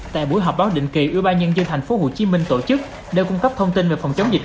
tại buổi họp báo định kỳ ưu ba nhân dân tp hcm tổ chức đều cung cấp thông tin về phòng chống dịch